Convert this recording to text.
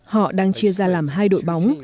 họ đang chia ra làm hai đội bóng